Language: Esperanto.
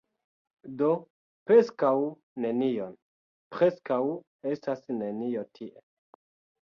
Do preskaŭ nenion... preskaŭ estas nenio tie.